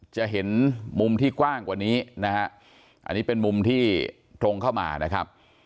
จะเห็นมุมที่กว้างกว่านี้นะฮะอันนี้เป็นมุมที่ตรงเข้ามานะครับ